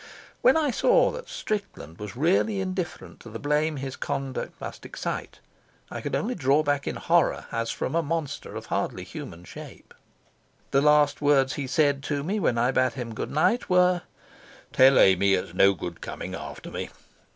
When I saw that Strickland was really indifferent to the blame his conduct must excite, I could only draw back in horror as from a monster of hardly human shape. The last words he said to me when I bade him good night were: "Tell Amy it's no good coming after me.